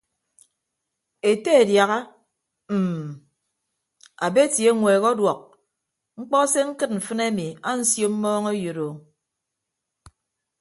Ete adiaha mm abeti eñweek ọduọk mkpọ se ñkịd mfịn ami ansio mmọọñeyịdo.